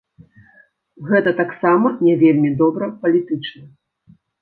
Гэта таксама не вельмі добра палітычна.